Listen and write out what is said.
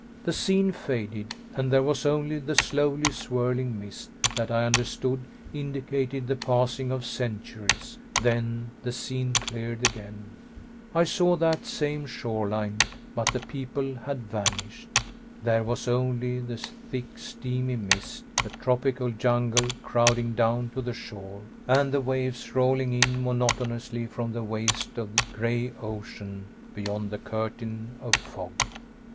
The scene faded, and there was only the slowly swirling mist that I understood indicated the passing of centuries. Then the scene cleared again. I saw that same shore line, but the people had vanished. There was only the thick, steamy mist, the tropic jungle crowding down to the shore, and the waves rolling in monotonously from the waste of gray ocean beyond the curtain of fog.